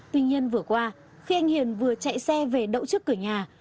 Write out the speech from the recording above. tuy nhiên vừa qua khi anh hiền vừa chạy xe về đậu trước cửa nhà